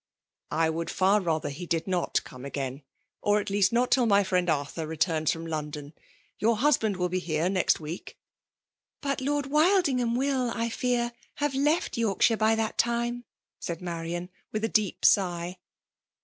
^'" I would fer rather he did Tiot come again/ or at least not tiil my friend Arthur returns flpotn London. Your husband will be here iicfiKtweek*^ ■... "But Lord Wildingham will, I fear/ haver l«ft Y^rkillite by that time!*' said Marian^ widi a dedp sigh.